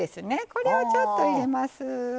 これを、ちょっと入れます。